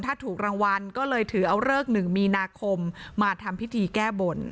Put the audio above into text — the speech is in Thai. ถ้าถูกรางวัลก็เลยถือเอาเลิก๑มีนาคมมาทำพิธีแก้บน